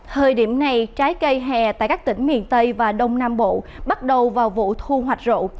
thời điểm này trái cây hè tại các tỉnh miền tây và đông nam bộ bắt đầu vào vụ thu hoạch rộ